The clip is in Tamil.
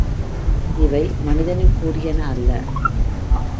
இவை மனிதனுக்குரியன அல்ல.